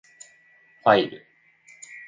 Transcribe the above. ファイル